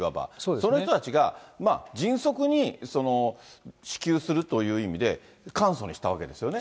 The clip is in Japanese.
その人たちが、迅速に支給するという意味で、簡素にしたわけですよね。